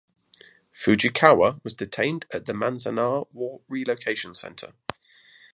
Fujikawa was detained at Manzanar War Relocation Center.